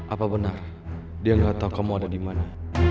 apa benar dia enggak tau kamu ada di mana